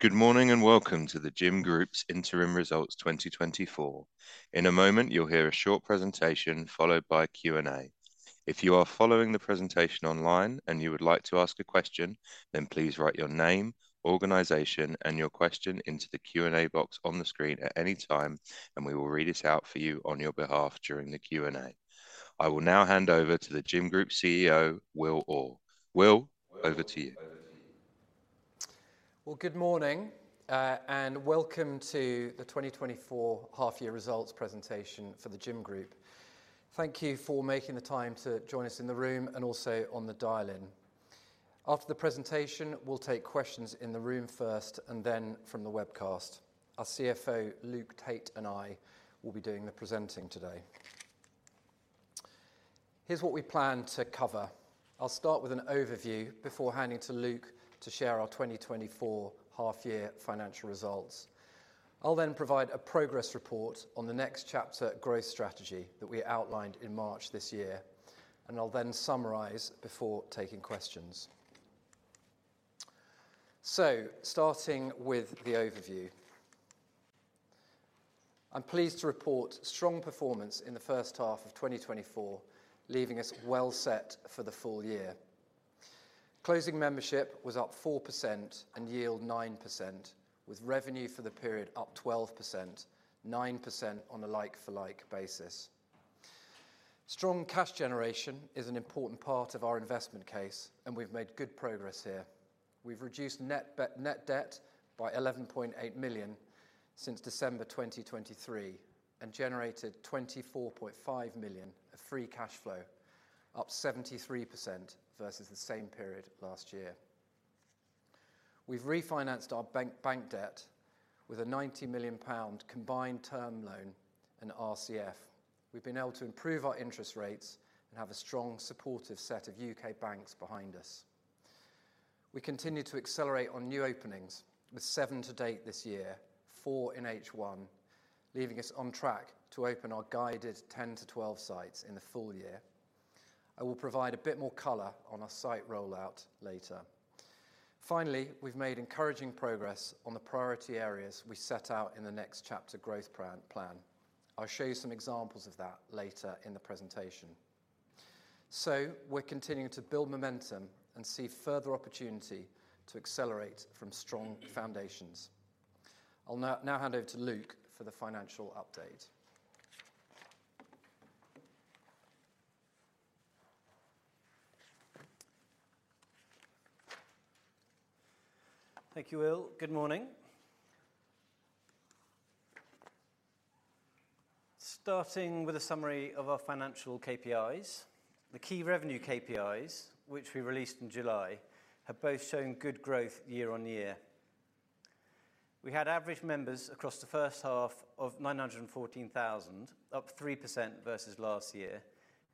Good morning, and welcome to The Gym Group's Interim Results 2024. In a moment, you'll hear a short presentation, followed by a Q&A. If you are following the presentation online and you would like to ask a question, then please write your name, organization, and your question into the Q&A box on the screen at any time, and we will read it out for you on your behalf during the Q&A. I will now hand over to The Gym Group CEO, Will Orr. Will, over to you. Well, good morning, and welcome to the 2024 half-year results presentation for The Gym Group. Thank you for making the time to join us in the room and also on the dial-in. After the presentation, we'll take questions in the room first, and then from the webcast. Our CFO, Luke Tait, and I will be doing the presenting today. Here's what we plan to cover. I'll start with an overview before handing to Luke to share our 2024 half-year financial results. I'll then provide a progress report on the Next Chapter growth strategy that we outlined in March this year, and I'll then summarize before taking questions. So starting with the overview. I'm pleased to report strong performance in the first half of 2024, leaving us well set for the full year. Closing membership was up 4% and yield 9%, with revenue for the period up 12%, 9% on a like-for-like basis. Strong cash generation is an important part of our investment case, and we've made good progress here. We've reduced net debt by 11.8 million since December 2023 and generated 24.5 million of free cash flow, up 73% versus the same period last year. We've refinanced our bank debt with a 90 million pound combined term loan and RCF. We've been able to improve our interest rates and have a strong, supportive set of U.K. banks behind us. We continue to accelerate on new openings, with seven to date this year, four in H1, leaving us on track to open our guided 10-12 sites in the full year. I will provide a bit more color on our site rollout later. Finally, we've made encouraging progress on the priority areas we set out in the Next Chapter growth plan. I'll show you some examples of that later in the presentation. So we're continuing to build momentum and see further opportunity to accelerate from strong foundations. I'll now hand over to Luke for the financial update. Thank you, Will. Good morning. Starting with a summary of our financial KPIs. The key revenue KPIs, which we released in July, have both shown good growth year-on-year. We had average members across the first half of 914,000, up 3% versus last year,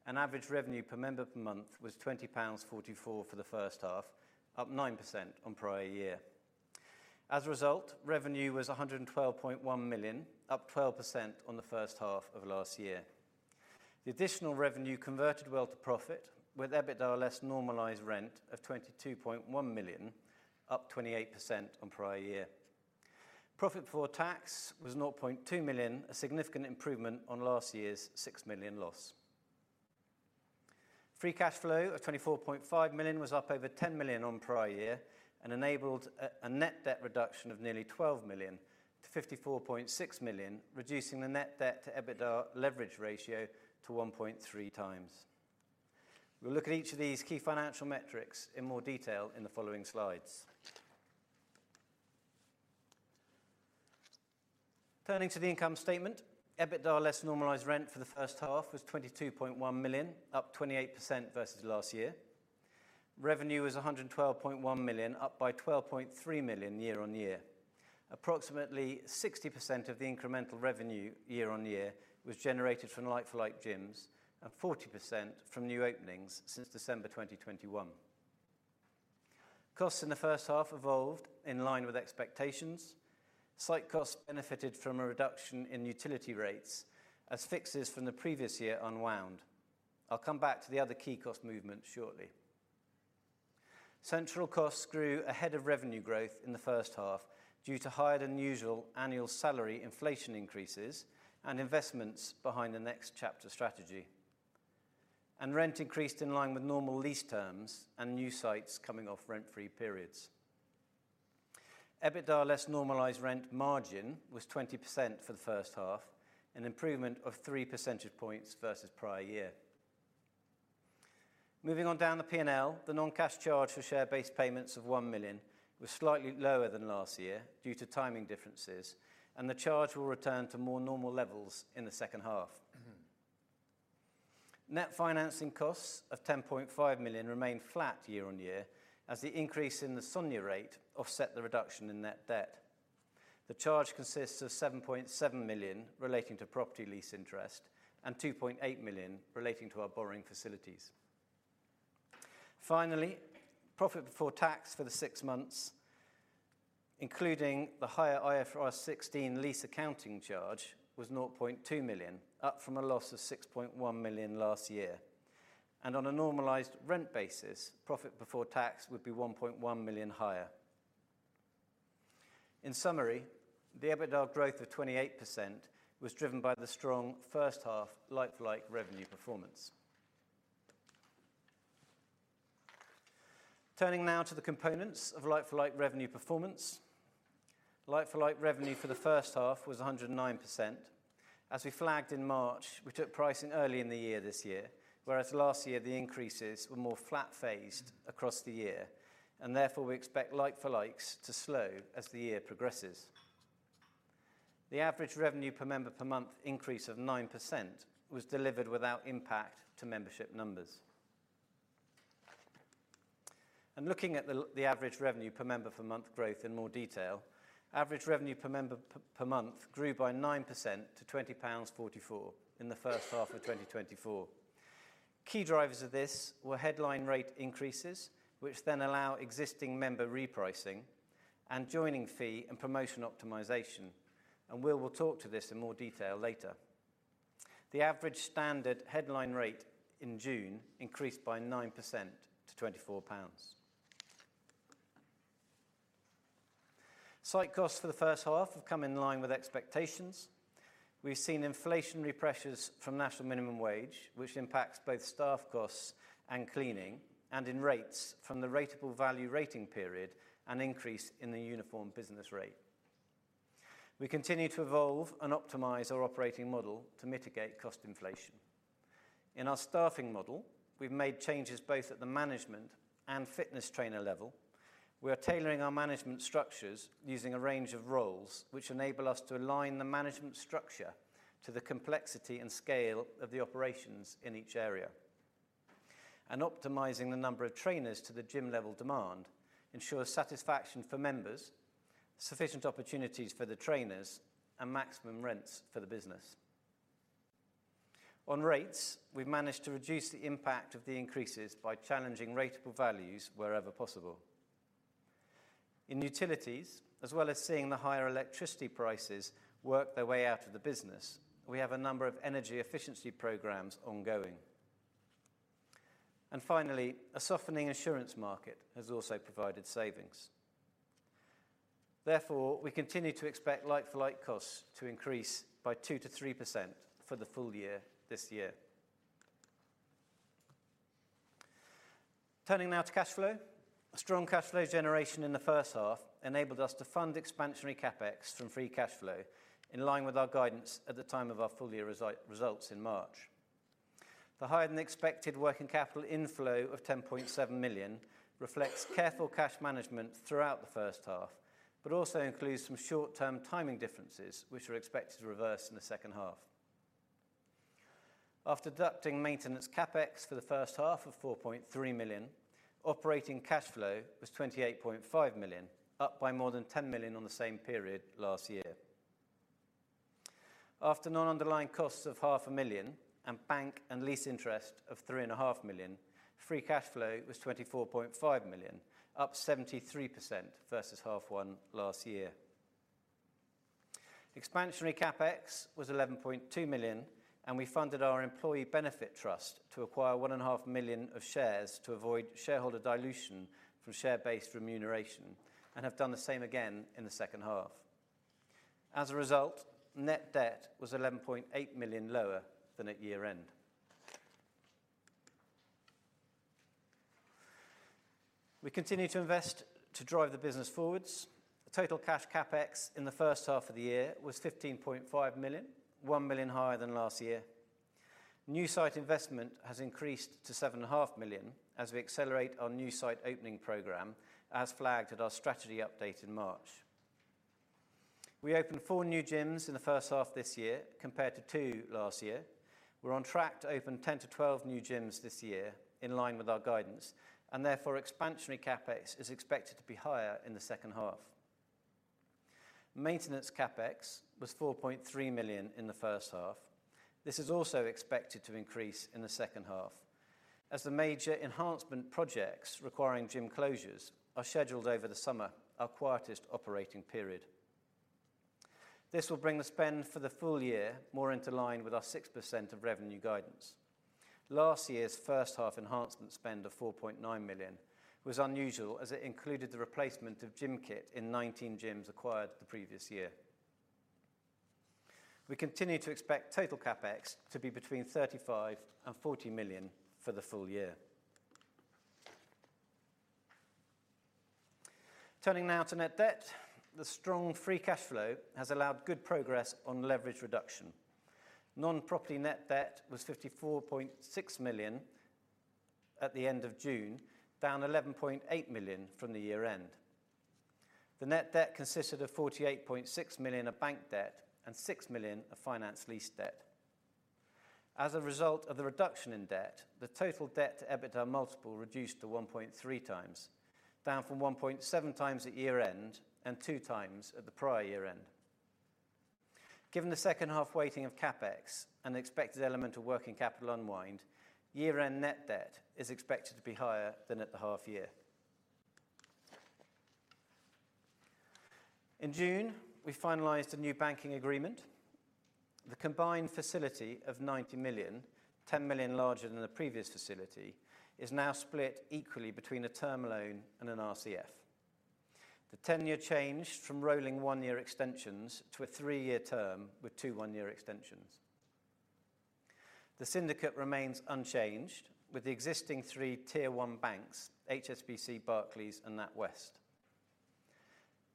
and average revenue per member per month was 20.44 pounds for the first half, up 9% on prior year. As a result, revenue was 112.1 million, up 12% on the first half of last year. The additional revenue converted well to profit, with EBITDA less normalized rent of 22.1 million, up 28% on prior year. Profit before tax was 0.2 million, a significant improvement on last year's 6 million loss. Free cash flow of 24.5 million was up over 10 million on prior year and enabled a net debt reduction of nearly 12 million to 54.6 million, reducing the net debt to EBITDA leverage ratio to 1.3 times. We'll look at each of these key financial metrics in more detail in the following slides. Turning to the income statement, EBITDA less normalized rent for the first half was 22.1 million, up 28% versus last year. Revenue was 112.1 million, up by 12.3 million year-on-year. Approximately 60% of the incremental revenue year-on-year was generated from like-for-like gyms and 40% from new openings since December 2021. Costs in the first half evolved in line with expectations. Site costs benefited from a reduction in utility rates as fixes from the previous year unwound. I'll come back to the other key cost movements shortly. Central costs grew ahead of revenue growth in the first half due to higher-than-usual annual salary inflation increases and investments behind the Next Chapter strategy, and rent increased in line with normal lease terms and new sites coming off rent-free periods. EBITDA less normalized rent margin was 20% for the first half, an improvement of 3% points versus prior year. Moving on down the P&L, the non-cash charge for share-based payments of 1 million was slightly lower than last year due to timing differences, and the charge will return to more normal levels in the second half. Net financing costs of 10.5 million remained flat year on year, as the increase in the SONIA rate offset the reduction in net debt. The charge consists of 7.7 million relating to property lease interest and 2.8 million relating to our borrowing facilities. Finally, profit before tax for the six months, including the higher IFRS 16 lease accounting charge, was 0.2 million, up from a loss of 6.1 million last year. On a normalized rent basis, profit before tax would be 1.1 million higher. In summary, the EBITDA growth of 28% was driven by the strong first half like-for-like revenue performance. Turning now to the components of like-for-like revenue performance. Like-for-like revenue for the first half was 109%. As we flagged in March, we took pricing early in the year this year, whereas last year the increases were more flat phased across the year, and therefore we expect like-for-likes to slow as the year progresses. The average revenue per member per month increase of 9% was delivered without impact to membership numbers. Looking at the average revenue per member per month growth in more detail, average revenue per member per month grew by 9% to 20.44 pounds in the first half of 2024. Key drivers of this were headline rate increases, which then allow existing member repricing and joining fee and promotion optimization, and Will will talk to this in more detail later. The average standard headline rate in June increased by 9% to 24 pounds. Site costs for the first half have come in line with expectations. We've seen inflationary pressures from national minimum wage, which impacts both staff costs and cleaning, and in rates from the rateable value rating period, an increase in the uniform business rate. We continue to evolve and optimize our operating model to mitigate cost inflation. In our staffing model, we've made changes both at the management and fitness trainer level. We are tailoring our management structures using a range of roles, which enable us to align the management structure to the complexity and scale of the operations in each area, and optimizing the number of trainers to the gym level demand ensures satisfaction for members, sufficient opportunities for the trainers, and maximum returns for the business. On rates, we've managed to reduce the impact of the increases by challenging rateable values wherever possible. In utilities, as well as seeing the higher electricity prices work their way out of the business, we have a number of energy efficiency programs ongoing. And finally, a softening insurance market has also provided savings. Therefore, we continue to expect like-for-like costs to increase by 2%-3% for the full year this year. Turning now to cash flow. A strong cash flow generation in the first half enabled us to fund expansionary CapEx from free cash flow, in line with our guidance at the time of our full year results in March. The higher-than-expected working capital inflow of 10.7 million reflects careful cash management throughout the first half, but also includes some short-term timing differences, which are expected to reverse in the second half. After deducting maintenance CapEx for the first half of 4.3 million, operating cash flow was 28.5 million, up by more than 10 million on the same period last year. After non-underlying costs of 0.5 million and bank and lease interest of 3.5 million, free cash flow was 24.5 million, up 73% versus H1 last year. Expansionary CapEx was 11.2 million, and we funded our employee benefit trust to acquire 1.5 million of shares to avoid shareholder dilution from share-based remuneration, and have done the same again in the second half. As a result, net debt was 11.8 million lower than at year-end. We continue to invest to drive the business forward. Total cash CapEx in the first half of the year was 15.5 million, 1 million higher than last year. New site investment has increased to 7.5 million as we accelerate our new site opening program, as flagged at our strategy update in March. We opened four new gyms in the first half of this year, compared to two last year. We're on track to open 10-12 new gyms this year, in line with our guidance, and therefore, expansionary CapEx is expected to be higher in the second half. Maintenance CapEx was 4.3 million in the first half. This is also expected to increase in the second half, as the major enhancement projects requiring gym closures are scheduled over the summer, our quietest operating period. This will bring the spend for the full year more into line with our 6% of revenue guidance. Last year's first half enhancement spend of 4.9 million was unusual, as it included the replacement of gym kit in 19 gyms acquired the previous year. We continue to expect total CapEx to be between 35 million-40 million for the full year. Turning now to net debt. The strong free cash flow has allowed good progress on leverage reduction. Non-property net debt was 54.6 million at the end of June, down 11.8 million from the year-end. The net debt consisted of 48.6 million of bank debt andGBP 6 million of finance lease debt. As a result of the reduction in debt, the total debt to EBITDA multiple reduced to 1.3x, down from 1.7x at year-end and 2x at the prior year-end. Given the second half weighting of CapEx and the expected element of working capital unwind, year-end net debt is expected to be higher than at the half-year. In June, we finalized a new banking agreement. The combined facility of 90 million, 10 million larger than the previous facility, is now split equally between a term loan and an RCF. The tenure changed from rolling one-year extensions to a three-year term with two one-year extensions. The syndicate remains unchanged, with the existing three Tier 1 banks: HSBC, Barclays and NatWest.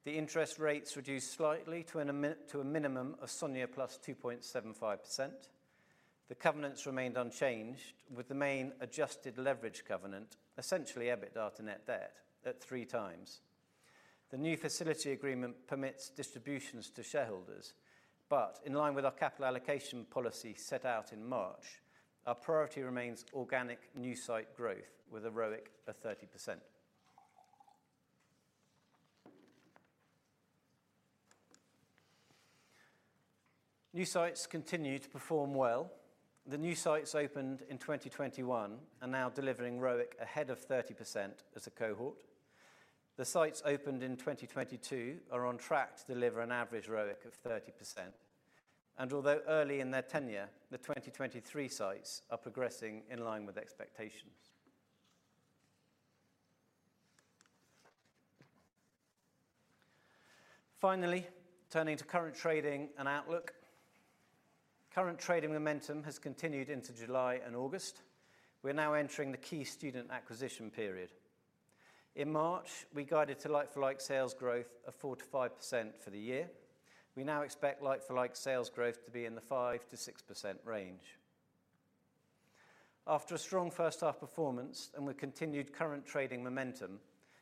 The interest rates reduced slightly to a minimum of SONIA plus 2.75%. The covenants remained unchanged, with the main adjusted leverage covenant, essentially EBITDA after net debt, at three times. The new facility agreement permits distributions to shareholders, but in line with our capital allocation policy set out in March, our priority remains organic new site growth with a ROIC of 30%. New sites continue to perform well. The new sites opened in 2021 are now delivering ROIC ahead of 30% as a cohort. The sites opened in 2022 are on track to deliver an average ROIC of 30%, and although early in their tenure the 2023 sites are progressing in line with expectations. Finally, turning to current trading and outlook. Current trading momentum has continued into July and August. We are now entering the key student acquisition period. In March, we guided to like-for-like sales growth of 4%-5% for the year. We now expect like-for-like sales growth to be in the 5%-6% range. After a strong first half performance and with continued current trading momentum,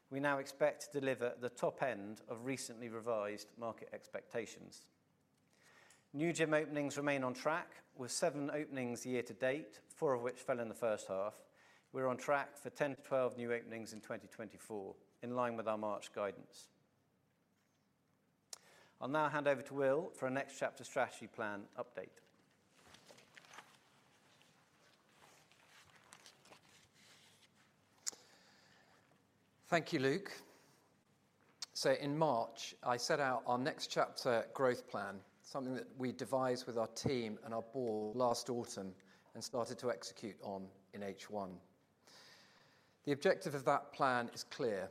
we now expect to deliver the top end of recently revised market expectations. New gym openings remain on track, with seven openings year-to-date, four of which fell in the first half. We're on track for 10-12 new openings in 2024, in line with our March guidance. I'll now hand over to Will for a Next Chapter strategy plan update. Thank you, Luke. So in March, I set out our Next Chapter growth plan, something that we devised with our team and our board last autumn and started to execute on in H1. The objective of that plan is clear: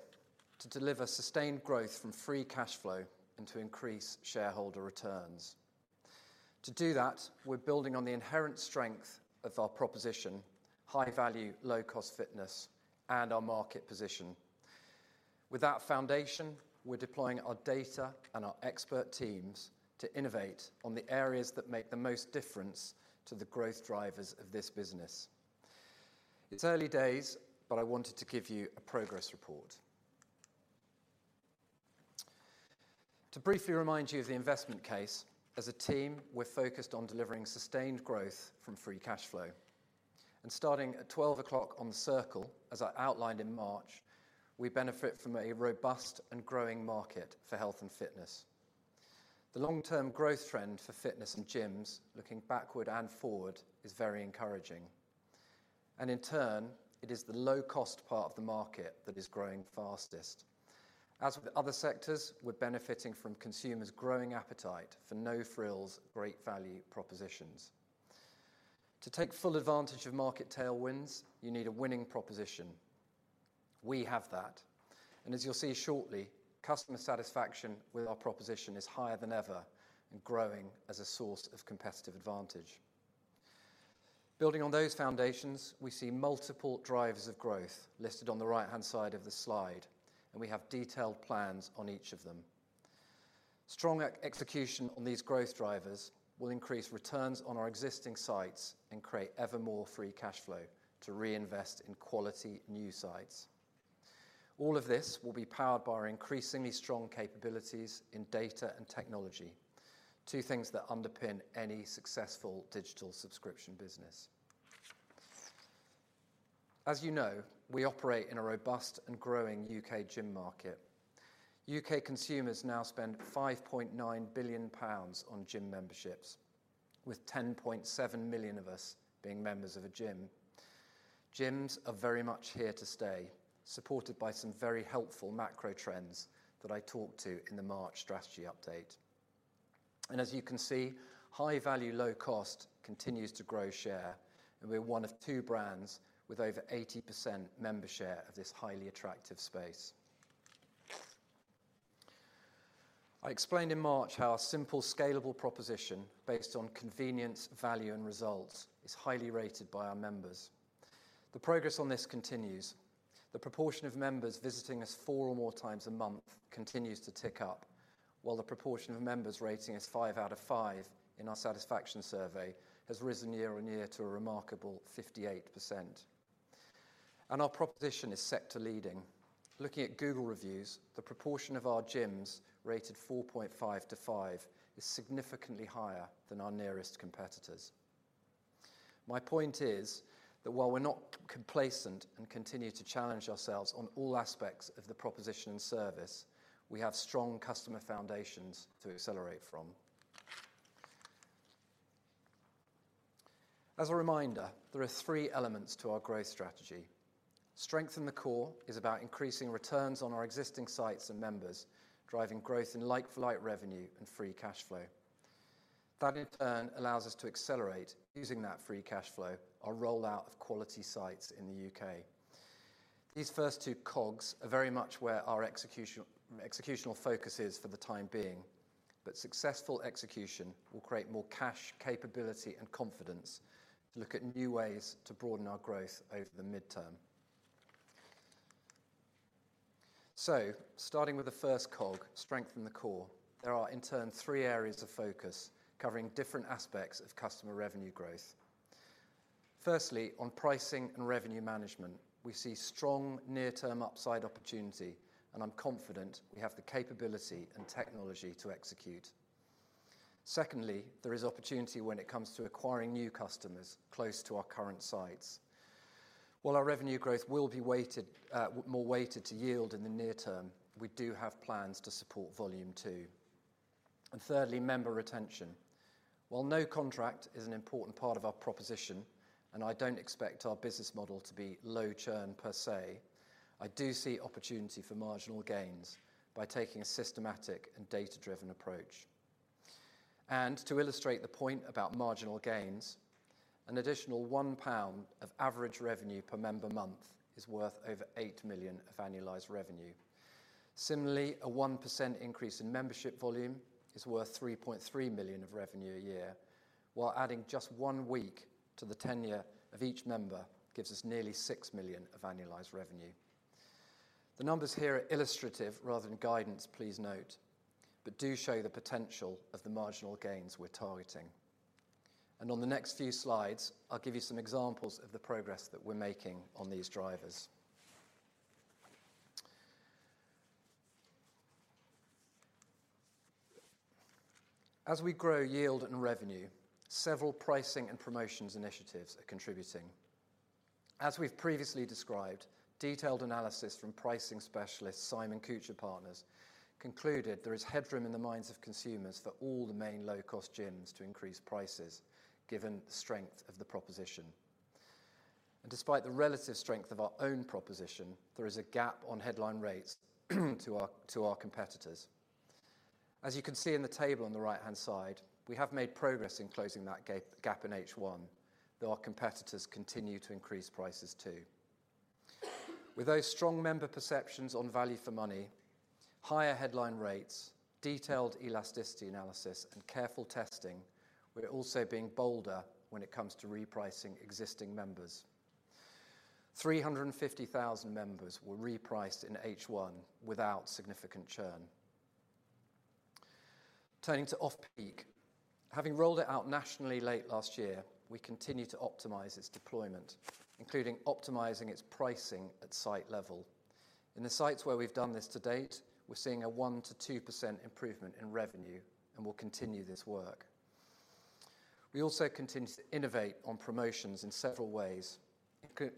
to deliver sustained growth from free cash flow and to increase shareholder returns. To do that, we're building on the inherent strength of our proposition, high value, low-cost fitness, and our market position. With that foundation, we're deploying our data and our expert teams to innovate on the areas that make the most difference to the growth drivers of this business. It's early days, but I wanted to give you a progress report. To briefly remind you of the investment case, as a team, we're focused on delivering sustained growth from free cash flow. Starting at twelve o'clock on the circle, as I outlined in March, we benefit from a robust and growing market for health and fitness. The long-term growth trend for fitness and gyms, looking backward and forward, is very encouraging, and in turn, it is the low-cost part of the market that is growing fastest. As with other sectors, we're benefiting from consumers' growing appetite for no-frills, great value propositions. To take full advantage of market tailwinds, you need a winning proposition. We have that, and as you'll see shortly, customer satisfaction with our proposition is higher than ever and growing as a source of competitive advantage. Building on those foundations, we see multiple drivers of growth listed on the right-hand side of the slide, and we have detailed plans on each of them. Strong execution on these growth drivers will increase returns on our existing sites and create ever more free cash flow to reinvest in quality new sites. All of this will be powered by our increasingly strong capabilities in data and technology, two things that underpin any successful digital subscription business. As you know, we operate in a robust and growing U.K. gym market. U.K. consumers now spend 5.9 billion pounds on gym memberships, with 10.7 million of us being members of a gym. Gyms are very much here to stay, supported by some very helpful macro trends that I talked to in the March strategy update, and as you can see, high value, low cost continues to grow share, and we're one of two brands with over 80% member share of this highly attractive space. I explained in March how our simple, scalable proposition, based on convenience, value, and results, is highly rated by our members. The progress on this continues. The proportion of members visiting us four or more times a month continues to tick up, while the proportion of members rating us five out of five in our satisfaction survey has risen year on year to a remarkable 58%. And our proposition is sector-leading. Looking at Google reviews, the proportion of our gyms rated 4.5-5 is significantly higher than our nearest competitors. My point is that while we're not complacent and continue to challenge ourselves on all aspects of the proposition and service, we have strong customer foundations to accelerate from. As a reminder, there are three elements to our growth strategy. Strengthen the core is about increasing returns on our existing sites and members, driving growth in like-for-like revenue and free cash flow. That, in turn, allows us to accelerate, using that free cash flow, our rollout of quality sites in the U.K. These first two cogs are very much where our executional focus is for the time being, but successful execution will create more cash, capability, and confidence to look at new ways to broaden our growth over the midterm. So starting with the first cog, strengthen the core, there are, in turn, three areas of focus covering different aspects of customer revenue growth. Firstly, on pricing and revenue management, we see strong near-term upside opportunity, and I'm confident we have the capability and technology to execute. Secondly, there is opportunity when it comes to acquiring new customers close to our current sites. While our revenue growth will be weighted, more weighted to yield in the near term, we do have plans to support volume too. And thirdly, member retention. While no contract is an important part of our proposition, and I don't expect our business model to be low churn per se, I do see opportunity for marginal gains by taking a systematic and data-driven approach. And to illustrate the point about marginal gains, an additional 1 pound of average revenue per member month is worth over 8 million of annualized revenue. Similarly, a 1% increase in membership volume is worth 3.3 million of revenue a year, while adding just one week to the tenure of each member gives us nearly 6 million of annualized revenue. The numbers here are illustrative rather than guidance, please note, but do show the potential of the marginal gains we're targeting. On the next few slides, I'll give you some examples of the progress that we're making on these drivers. As we grow yield and revenue, several pricing and promotions initiatives are contributing. As we've previously described, detailed analysis from pricing specialist Simon-Kucher & Partners concluded there is headroom in the minds of consumers for all the main low-cost gyms to increase prices, given the strength of the proposition. Despite the relative strength of our own proposition, there is a gap on headline rates to our competitors. As you can see in the table on the right-hand side, we have made progress in closing that gap in H1, though our competitors continue to increase prices, too. With those strong member perceptions on value for money, higher headline rates, detailed elasticity analysis, and careful testing, we're also being bolder when it comes to repricing existing members. 350,000 members were repriced in H1 without significant churn. Turning to Off-Peak, having rolled it out nationally late last year, we continue to optimize its deployment, including optimizing its pricing at site level. In the sites where we've done this to date, we're seeing a 1%-2% improvement in revenue, and we'll continue this work. We also continue to innovate on promotions in several ways,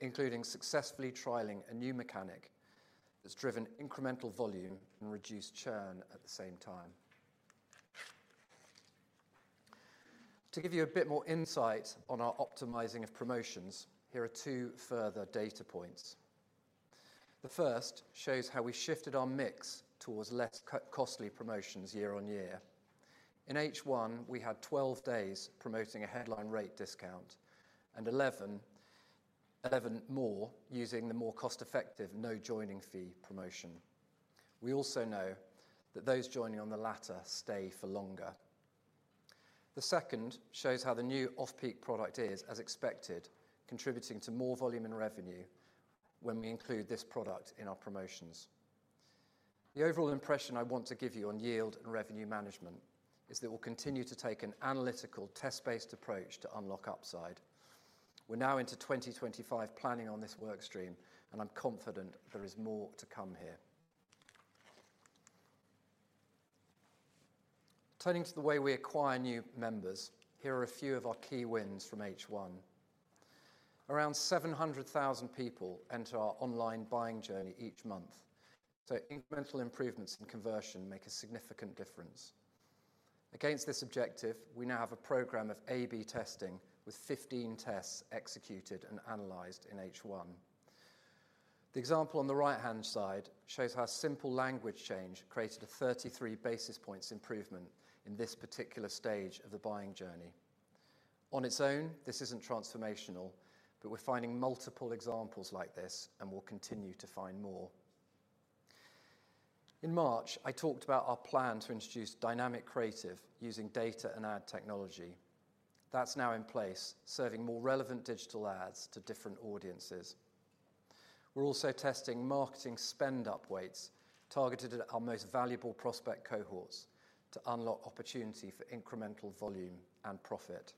including successfully trialing a new mechanic that's driven incremental volume and reduced churn at the same time. To give you a bit more insight on our optimizing of promotions, here are two further data points. The first shows how we shifted our mix towards less costly promotions year-on-year. In H1, we had 12 days promoting a headline rate discount, and 11 more using the more cost-effective no joining fee promotion. We also know that those joining on the latter stay for longer. The second shows how the new Off-Peak product is, as expected, contributing to more volume and revenue when we include this product in our promotions. The overall impression I want to give you on yield and revenue management is that we'll continue to take an analytical, test-based approach to unlock upside. We're now into 2025 planning on this workstream, and I'm confident there is more to come here. Turning to the way we acquire new members, here are a few of our key wins from H1. Around 700,000 people enter our online buying journey each month, so incremental improvements in conversion make a significant difference. Against this objective, we now have a program of AB testing, with 15 tests executed and analyzed in H1. The example on the right-hand side shows how a simple language change created a thirty-three basis points improvement in this particular stage of the buying journey. On its own, this isn't transformational, but we're finding multiple examples like this and will continue to find more. In March, I talked about our plan to introduce dynamic creative using data and ad technology. That's now in place, serving more relevant digital ads to different audiences. We're also testing marketing spend upweights targeted at our most valuable prospect cohorts to unlock opportunity for incremental volume and profit.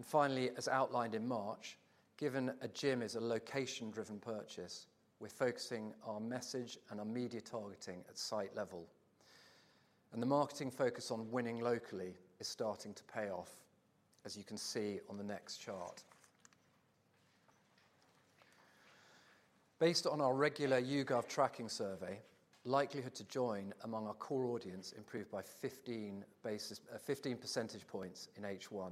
Finally, as outlined in March, given a gym is a location-driven purchase, we're focusing our message and our media targeting at site level, and the marketing focus on winning locally is starting to pay off, as you can see on the next chart. Based on our regular YouGov tracking survey, likelihood to join among our core audience improved by 15 basis, 15% basis points in H1.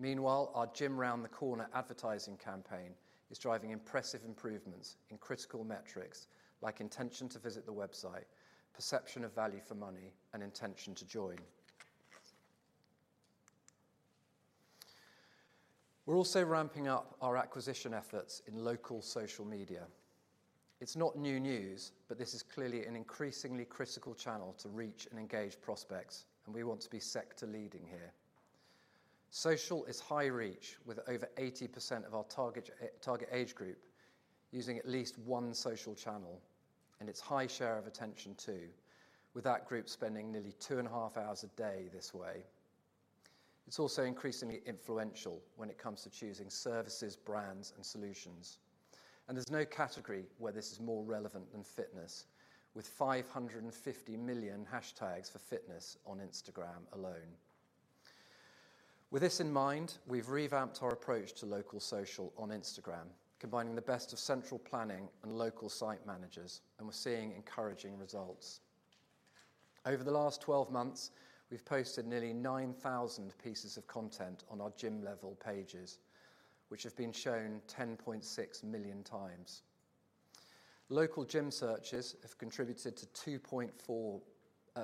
Meanwhile, our Gym Round the Corner advertising campaign is driving impressive improvements in critical metrics, like intention to visit the website, perception of value for money, and intention to join. We're also ramping up our acquisition efforts in local social media. It's not new news, but this is clearly an increasingly critical channel to reach and engage prospects, and we want to be sector-leading here. Social is high reach, with over 80% of our target age group using at least one social channel, and it's high share of attention, too, with that group spending nearly two and a half hours a day this way. It's also increasingly influential when it comes to choosing services, brands, and solutions, and there's no category where this is more relevant than fitness, with 550 million hashtags for fitness on Instagram alone. With this in mind, we've revamped our approach to local social on Instagram, combining the best of central planning and local site managers, and we're seeing encouraging results. Over the last 12 months, we've posted nearly 9,000 pieces of content on our gym-level pages, which have been shown 10.6 million times. Local gym searches have contributed to 2.4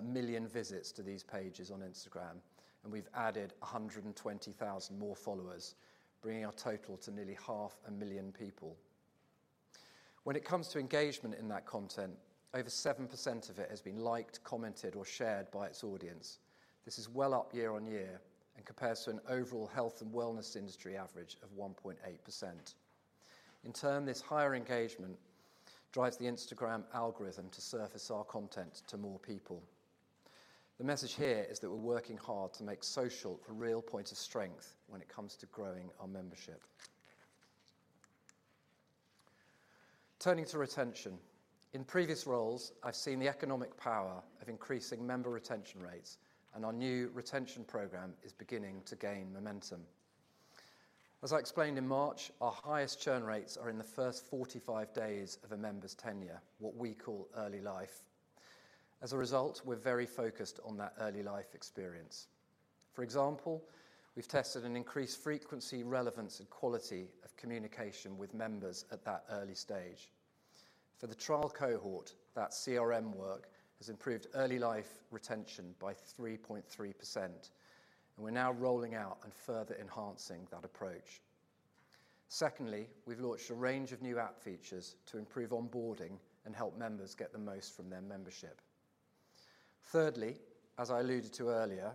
million visits to these pages on Instagram, and we've added 120,000 more followers, bringing our total to nearly 500,000 people. When it comes to engagement in that content, over 7% of it has been liked, commented, or shared by its audience. This is well up year-on-year and compares to an overall health and wellness industry average of 1.8%. In turn, this higher engagement drives the Instagram algorithm to surface our content to more people. The message here is that we're working hard to make social a real point of strength when it comes to growing our membership. Turning to retention. In previous roles, I've seen the economic power of increasing member retention rates, and our new retention program is beginning to gain momentum. As I explained in March, our highest churn rates are in the first 45 days of a member's tenure, what we call early life. As a result, we're very focused on that early life experience. For example, we've tested an increased frequency, relevance, and quality of communication with members at that early stage. For the trial cohort, that CRM work has improved early life retention by 3.3%, and we're now rolling out and further enhancing that approach. Secondly, we've launched a range of new app features to improve onboarding and help members get the most from their membership. Thirdly, as I alluded to earlier,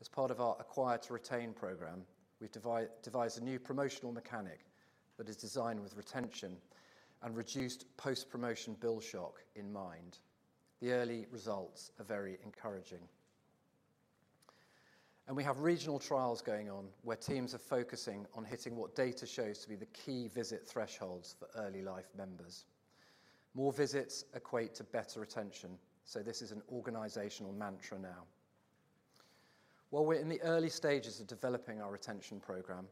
as part of our Acquire to Retain program, we've devised a new promotional mechanic that is designed with retention and reduced post-promotion bill shock in mind. The early results are very encouraging. We have regional trials going on, where teams are focusing on hitting what data shows to be the key visit thresholds for early life members. More visits equate to better retention, so this is an organizational mantra now. While we're in the early stages of developing our retention program,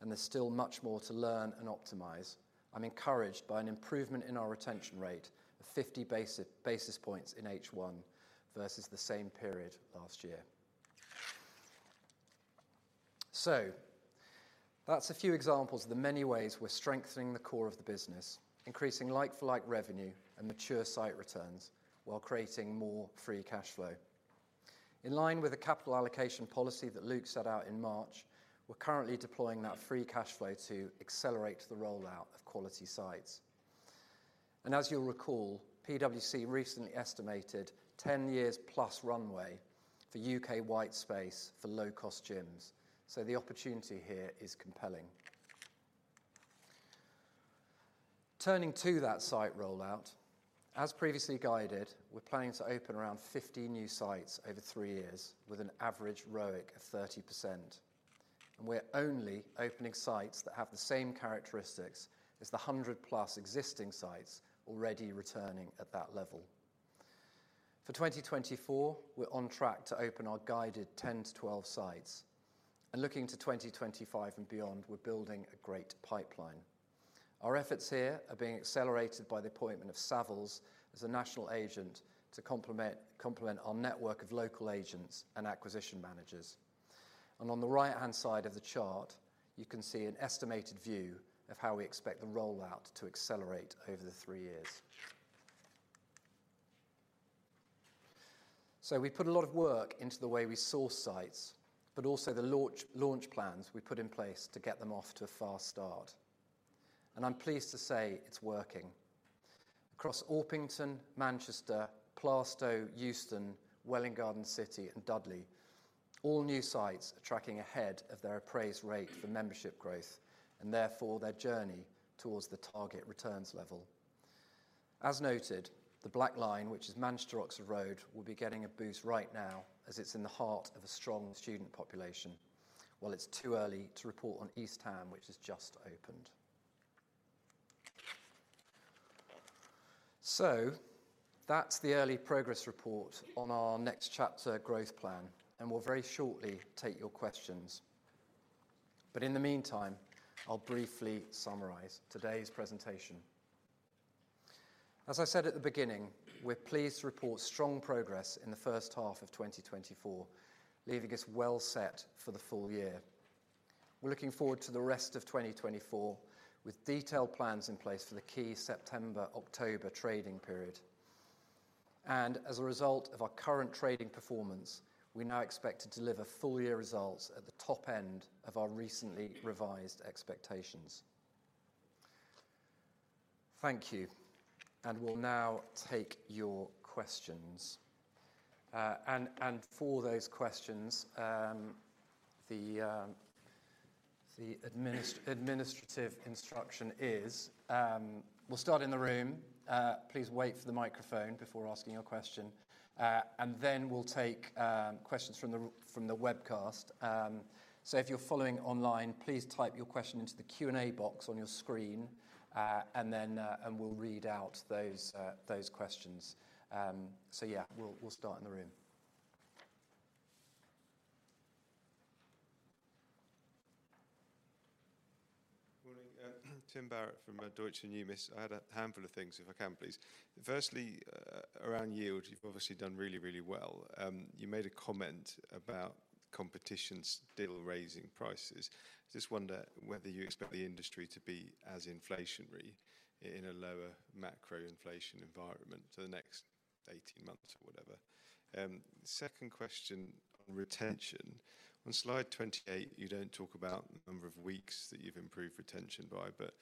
and there's still much more to learn and optimize, I'm encouraged by an improvement in our retention rate of 50 basis points in H1 versus the same period last year. That's a few examples of the many ways we're strengthening the core of the business, increasing like-for-like revenue and mature site returns, while creating more free cash flow. In line with the capital allocation policy that Luke set out in March, we're currently deploying that free cash flow to accelerate the rollout of quality sites. As you'll recall, PwC recently estimated ten years plus runway for U.K. white space for low-cost gyms, so the opportunity here is compelling. Turning to that site rollout, as previously guided, we're planning to open around 50 new sites over three years, with an average ROIC of 30%, and we're only opening sites that have the same characteristics as the 100+ existing sites already returning at that level. For 2024, we're on track to open our guided 10-12 sites. Looking to 2025 and beyond, we're building a great pipeline. Our efforts here are being accelerated by the appointment of Savills as a national agent to complement our network of local agents and acquisition managers. On the right-hand side of the chart, you can see an estimated view of how we expect the rollout to accelerate over the three years. So we put a lot of work into the way we source sites, but also the launch plans we put in place to get them off to a fast start, and I'm pleased to say it's working. Across Orpington, Manchester, Plaistow, Euston, Welwyn Garden City, and Dudley, all new sites are tracking ahead of their appraisal rate for membership growth and therefore their journey towards the target returns level. As noted, the black line, which is Manchester Oxford Road, will be getting a boost right now as it's in the heart of a strong student population, while it's too early to report on East Ham, which has just opened. So that's the early progress report on our Next Chapter growth plan, and we'll very shortly take your questions. But in the meantime, I'll briefly summarize today's presentation. As I said at the beginning, we're pleased to report strong progress in the first half of 2024, leaving us well set for the full year. We're looking forward to the rest of 2024, with detailed plans in place for the key September, October trading period. And as a result of our current trading performance, we now expect to deliver full-year results at the top end of our recently revised expectations. Thank you, and we'll now take your questions. And for those questions, the administrative instruction is, we'll start in the room. Please wait for the microphone before asking your question, and then we'll take questions from the webcast. So if you're following online, please type your question into the Q&A box on your screen, and then we'll read out those questions. So yeah, we'll start in the room. Morning. Tim Barrett from Deutsche Numis. I had a handful of things, if I can, please. Firstly, around yield, you've obviously done really, really well. You made a comment about competition still raising prices. Just wonder whether you expect the industry to be as inflationary in a lower macro inflation environment for the next 18 months or whatever? Second question, on retention. On slide 28, you don't talk about the number of weeks that you've improved retention by, but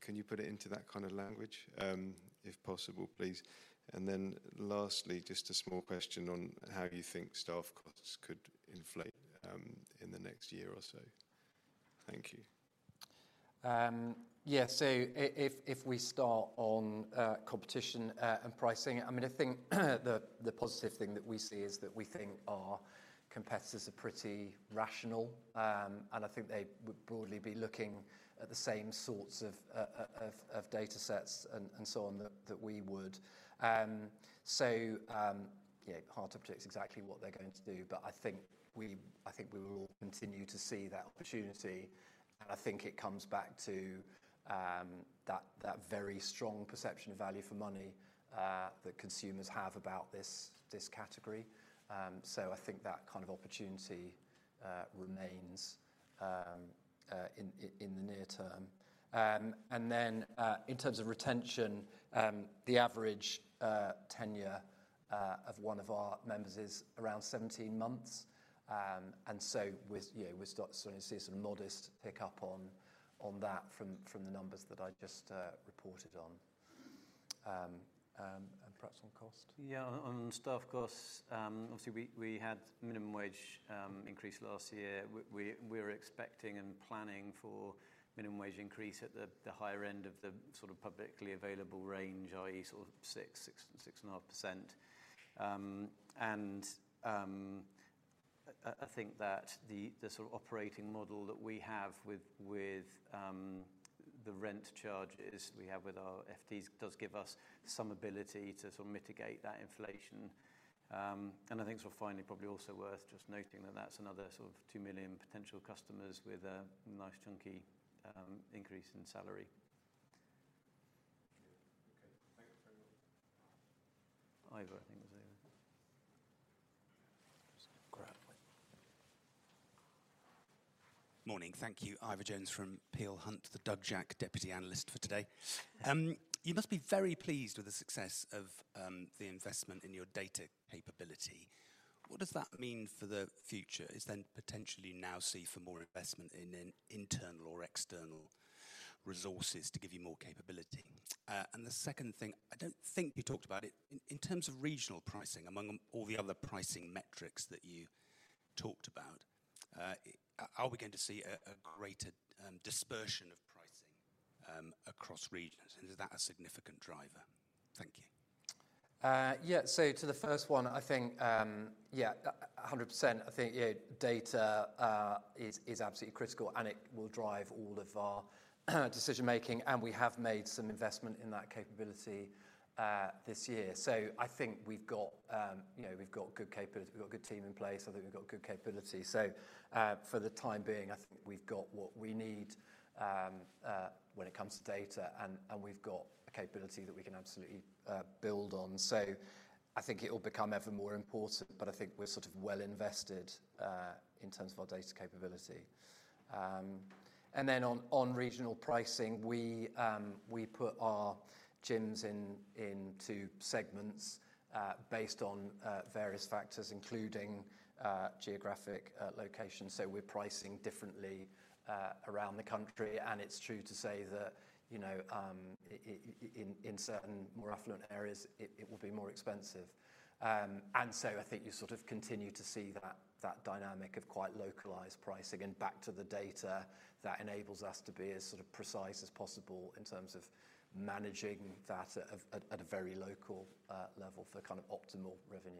can you put it into that kind of language, if possible, please? And then lastly, just a small question on how you think staff costs could inflate, in the next year or so. Thank you. Yeah. So if we start on competition and pricing, I mean, I think the positive thing that we see is that we think our competitors are pretty rational. And I think they would broadly be looking at the same sorts of datasets and so on that we would. So yeah, hard to predict exactly what they're going to do, but I think we will continue to see that opportunity, and I think it comes back to that very strong perception of value for money that consumers have about this category. So I think that kind of opportunity remains in the near term. And then, in terms of retention, the average tenure of one of our members is around 17 months. And so with, you know, we start to see some modest pickup on that from the numbers that I just reported on. And perhaps on cost? Yeah, on staff costs, obviously we had minimum wage increase last year. We're expecting and planning for minimum wage increase at the higher end of the sort of publicly available range, i.e., sort of 6%-6.5%. And I think that the sort of operating model that we have with the rent charges we have with our FTs does give us some ability to sort of mitigate that inflation. And I think so finally, probably also worth just noting that that's another sort of 2 million potential customers with a nice chunky increase in salary. Okay, thank you very much. Ivor, I think, was there. Just grab it. Morning. Thank you. Ivor Jones from Peel Hunt, the Doug Jack deputy analyst for today. You must be very pleased with the success of the investment in your data capability. What does that mean for the future? Is there potentially now scope for more investment in internal or external resources to give you more capability? And the second thing, I don't think you talked about it. In terms of regional pricing, among all the other pricing metrics that you talked about, are we going to see a greater dispersion of pricing across regions? And is that a significant driver? Thank you. Yeah. So to the first one, I think, yeah, 100%. I think, yeah, data is absolutely critical, and it will drive all of our decision making, and we have made some investment in that capability this year. So I think we've got, you know, we've got good capabilities. We've got a good team in place, so I think we've got good capability. So for the time being, I think we've got what we need when it comes to data, and we've got a capability that we can absolutely build on. So I think it will become ever more important, but I think we're sort of well invested in terms of our data capability. And then on regional pricing, we put our gyms into segments based on various factors, including geographic location. So we're pricing differently around the country, and it's true to say that, you know, in certain more affluent areas, it will be more expensive. And so I think you sort of continue to see that dynamic of quite localized pricing and back to the data that enables us to be as sort of precise as possible in terms of managing that at a very local level for kind of optimal revenue.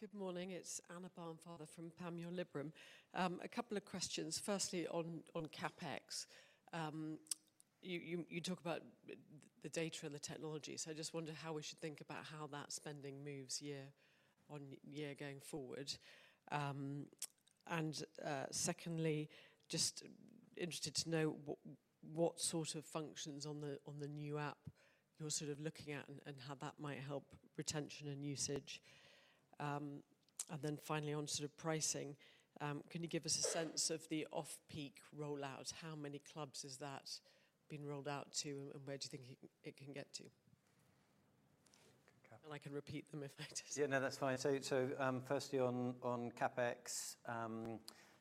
Good morning, it's Anna Barnfather from Panmure Liberum. A couple of questions. Firstly, on CapEx. You talk about the data and the technology, so I just wonder how we should think about how that spending moves year-on-year going forward? And secondly, just interested to know what sort of functions on the new app you're sort of looking at, and how that might help retention and usage. And then finally, on sort of pricing, can you give us a sense of the Off-Peak rollout? How many clubs has that been rolled out to, and where do you think it can get to? Cap- I can repeat them if I did. Yeah, no, that's fine. So, firstly, on CapEx,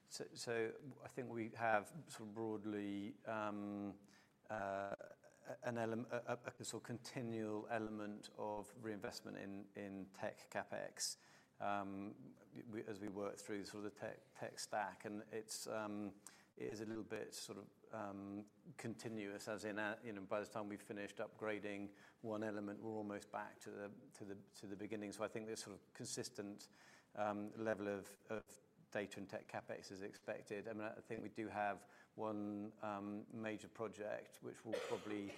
so I think we have sort of broadly a sort of continual element of reinvestment in tech CapEx, we as we work through sort of the tech stack. And it's, it is a little bit sort of continuous, as in, you know, by the time we've finished upgrading one element, we're almost back to the beginning. So I think there's sort of consistent level of data and tech CapEx as expected. I mean, I think we do have one major project, which will probably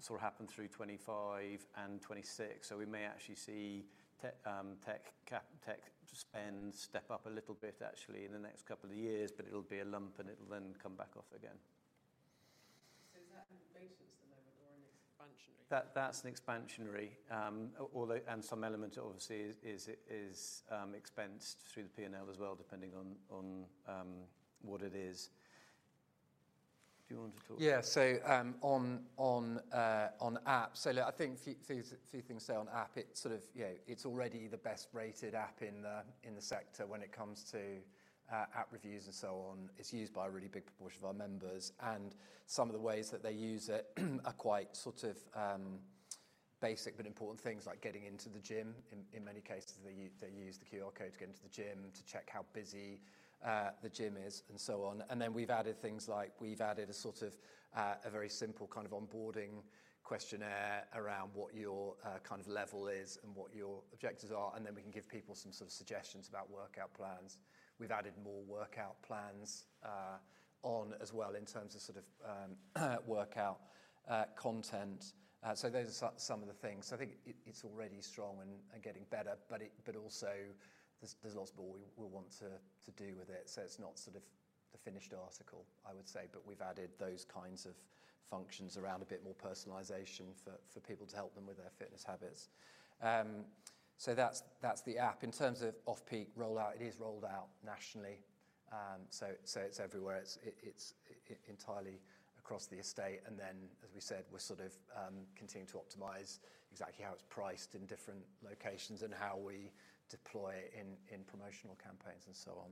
sort of happen through 2025 and 2026. So we may actually see tech spend step up a little bit actually in the next couple of years, but it'll be a lump, and it'll then come back off again. So is that on the basis at the moment or an expansionary? That's an expansionary, although and some element obviously is expensed through the P&L as well, depending on what it is. Do you want to talk? Yeah. So, on app, so, look, I think a few things to say on app. It sort of, you know, it's already the best-rated app in the sector when it comes to app reviews and so on. It's used by a really big proportion of our members, and some of the ways that they use it are quite sort of basic but important things, like getting into the gym. In many cases, they use the QR code to get into the gym, to check how busy the gym is, and so on. Then we've added things like we've added a sort of a very simple kind of onboarding questionnaire around what your kind of level is and what your objectives are, and then we can give people some sort of suggestions about workout plans. We've added more workout plans on as well, in terms of sort of workout content. So those are some of the things. I think it's already strong and getting better, but also, there's lots more we want to do with it. It's not sort of the finished article, I would say, but we've added those kinds of functions around a bit more personalization for people to help them with their fitness habits. So that's the app. In terms of off-peak rollout, it is rolled out nationally, so it's everywhere. It's entirely across the estate, and then, as we said, we're sort of continuing to optimize exactly how it's priced in different locations and how we deploy it in promotional campaigns and so on.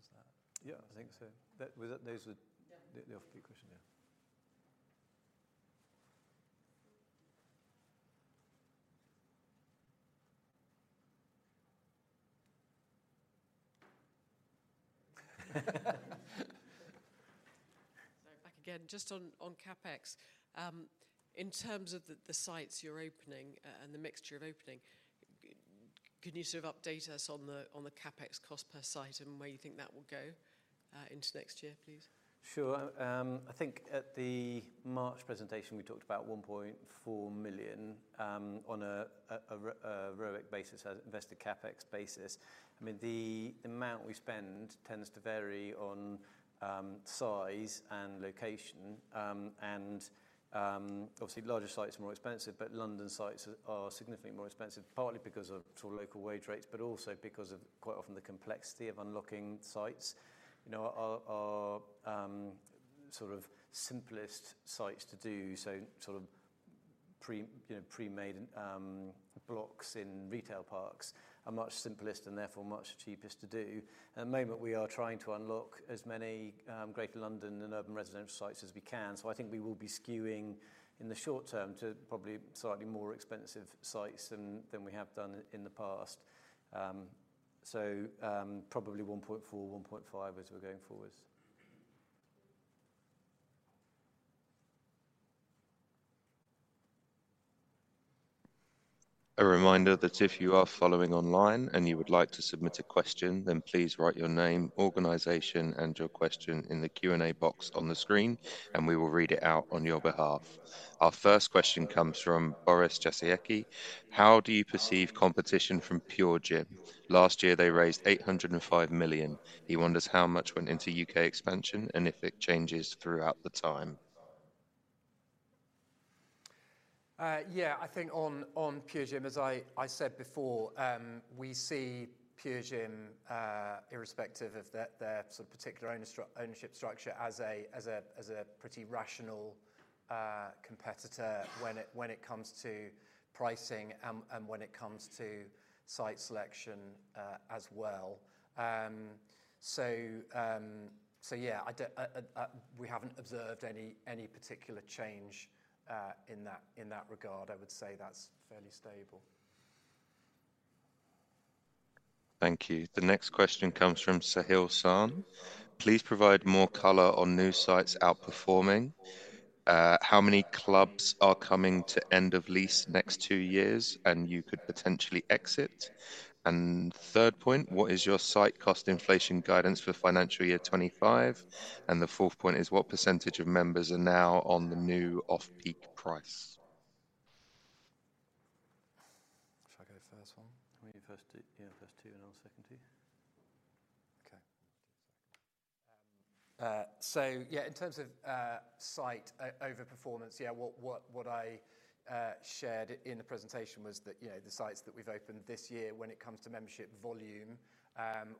Is that...? Yeah, I think so. Those are- Yeah. The off-peak question, yeah. Sorry, back again. Just on CapEx, in terms of the sites you're opening, and the mixture of opening, can you sort of update us on the CapEx cost per site and where you think that will go into next year, please? Sure. I think at the March presentation, we talked about 1.4 million on a ROIC basis, as invested CapEx basis. I mean, the amount we spend tends to vary on size and location, and obviously, larger sites are more expensive, but London sites are significantly more expensive, partly because of sort of local wage rates, but also because of quite often the complexity of unlocking sites. You know, our sort of simplest sites to do, so sort of pre-made blocks in retail parks are much simplest and therefore much cheapest to do. At the moment, we are trying to unlock as many Greater London and urban residential sites as we can. I think we will be skewing in the short term to probably slightly more expensive sites than we have done in the past. Probably 1.4-1.5, as we're going forward. A reminder that if you are following online and you would like to submit a question, then please write your name, organization, and your question in the Q&A box on the screen, and we will read it out on your behalf. Our first question comes from Boris Jasiecki:How do you perceive competition from PureGym? Last year, they raised 805 million. He wonders how much went into UK expansion and if it changes throughout the time. Yeah, I think on PureGym, as I said before, we see PureGym, irrespective of their sort of particular ownership structure, as a pretty rational competitor when it comes to pricing, and when it comes to site selection, as well. So yeah, we haven't observed any particular change in that regard. I would say that's fairly stable.... Thank you. The next question comes from Sahil Shan. Please provide more color on new sites outperforming. How many clubs are coming to end of lease next two years, and you could potentially exit? And third point, what is your site cost inflation guidance for financial year 2025? And the fourth point, what % of members are now on the new off-peak price? Should I go first one? You first two, yeah, first two, and I'll second to you. Okay. So yeah, in terms of site overperformance, yeah, what I shared in the presentation was that, you know, the sites that we've opened this year, when it comes to membership volume,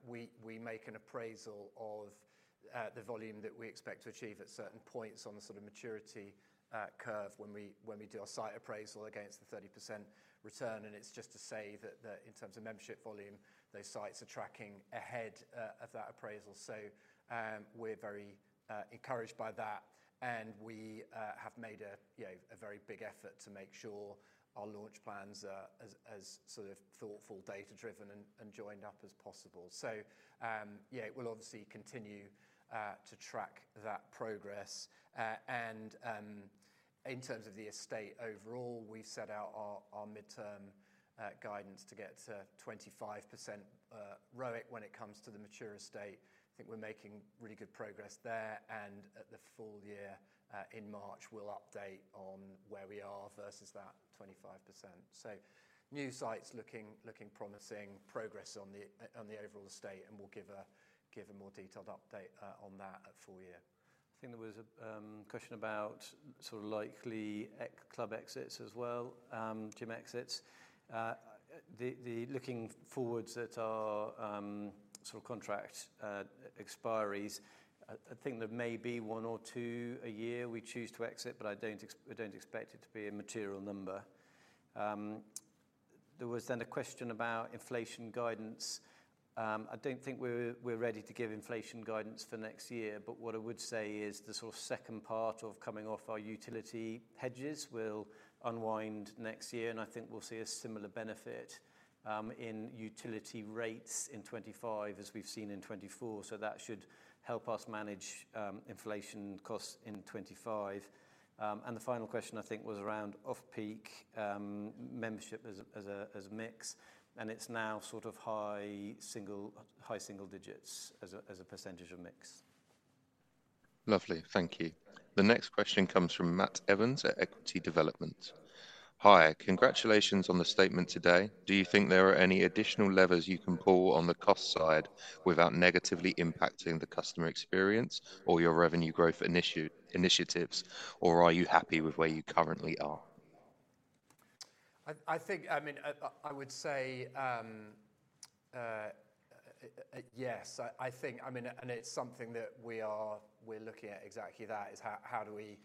we make an appraisal of the volume that we expect to achieve at certain points on the sort of maturity curve when we do our site appraisal against the 30% return. And it's just to say that in terms of membership volume, those sites are tracking ahead of that appraisal. So yeah, we'll obviously continue to track that progress. In terms of the estate overall, we've set out our midterm guidance to get to 25% ROIC when it comes to the mature estate. I think we're making really good progress there, and at the full year in March, we'll update on where we are versus that 25%. So new sites looking promising, progress on the overall estate, and we'll give a more detailed update on that at full year. I think there was a question about sort of likely club exits as well, gym exits. The looking forwards at our sort of contract expiries, I think there may be one or two a year we choose to exit, but I don't expect it to be a material number. There was then a question about inflation guidance. I don't think we're ready to give inflation guidance for next year, but what I would say is the sort of second part of coming off our utility hedges will unwind next year, and I think we'll see a similar benefit in utility rates in 2025, as we've seen in 2024. So that should help us manage inflation costs in 2025. And the final question, I think, was around off-peak membership as a mix, and it's now sort of high single digits as a percentage of mix. Lovely. Thank you. The next question comes from Matt Evans at Equity Development. Hi, congratulations on the statement today. Do you think there are any additional levers you can pull on the cost side without negatively impacting the customer experience or your revenue growth initiatives, or are you happy with where you currently are? I think... I mean, I would say yes. I think, I mean, and it's something that we're looking at exactly that, is how do we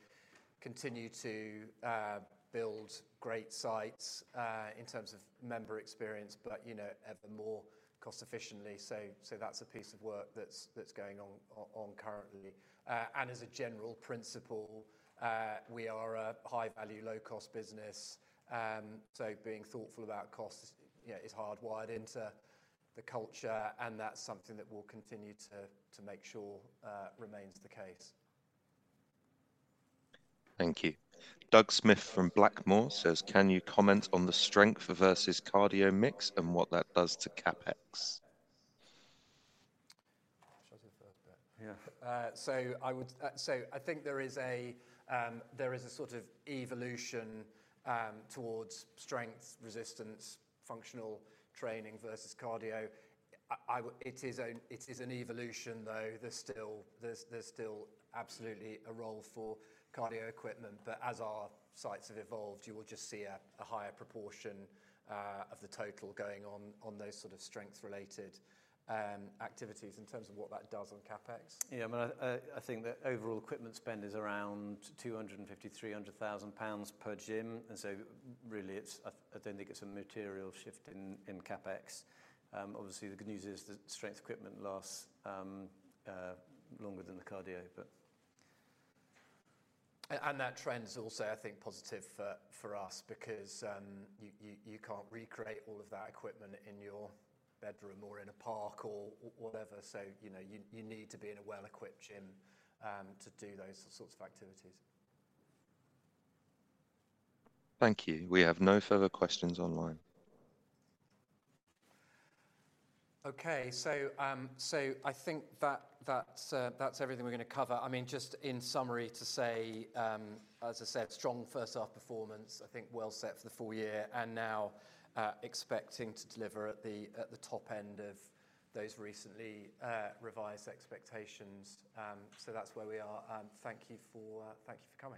continue to build great sites in terms of member experience but, you know, at the more cost efficiently? So, that's a piece of work that's going on currently. And as a general principle, we are a high-value, low-cost business, so being thoughtful about costs, you know, is hardwired into the culture, and that's something that we'll continue to make sure remains the case. Thank you. Doug Smith from Blackmoor says: "Can you comment on the strength versus cardio mix and what that does to CapEx? Should I do the first bit? Yeah. So I think there is a sort of evolution towards strength, resistance, functional training versus cardio. It is an evolution, though. There's still absolutely a role for cardio equipment, but as our sites have evolved, you will just see a higher proportion of the total going on those sort of strength-related activities. In terms of what that does on CapEx? Yeah, I mean, I think the overall equipment spend is around 253,000-300,000 pounds per gym, and so really it's... I don't think it's a material shift in CapEx. Obviously, the good news is that strength equipment lasts longer than the cardio, but- And that trend is also, I think, positive for us because you can't recreate all of that equipment in your bedroom or in a park or whatever. So, you know, you need to be in a well-equipped gym to do those sorts of activities. Thank you. We have no further questions online. Okay, so I think that's everything we're gonna cover. I mean, just in summary, to say, as I said, strong first half performance, I think well set for the full year, and now expecting to deliver at the top end of those recently revised expectations. So that's where we are, and thank you for coming.